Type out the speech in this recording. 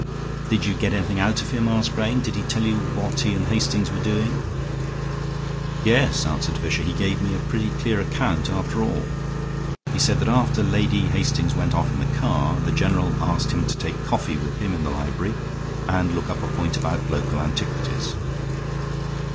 "Did you get anything out of him?" asked Grayne. "Did he tell you what he and Hastings were doing?" "Yes," answered Fisher, "he gave me a pretty clear account, after all. He said that after Lady Hastings went off in the car the general asked him to take coffee with him in the library and look up a point about local antiquities.